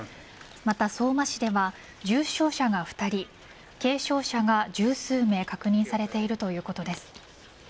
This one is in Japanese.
また相馬市では重傷者が２人軽傷者が１０数名確認されているということです。